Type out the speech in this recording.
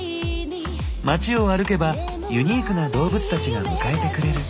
街を歩けばユニークな動物たちが迎えてくれる。